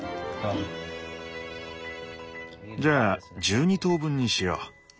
じゃあ１２等分にしよう。